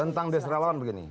tentang desa rawan begini